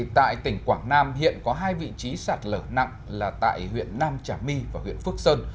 tại tỉnh quảng nam hiện có hai vị trí sạt lở nặng là tại huyện nam trà my và huyện phước sơn